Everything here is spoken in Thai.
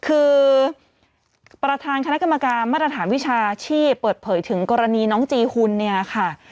คือประธานคณะกรรมการมาตรฐานวิชาชีพเปิดเผยถึงกรณีน้องจีหุ่นเนี่ยค่ะ